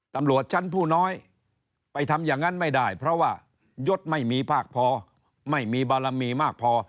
ตำรวจชั้นผู้น้อยไปทำอย่างนั้นไม่ได้เพราะว่ายศไม่มีภาคพอไม่มีบารมีมากพอ